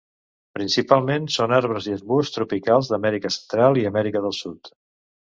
Principalment són arbres i arbusts tropicals d'Amèrica Central i d'Amèrica del Sud.